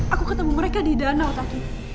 aku ketemu mereka di danau tadi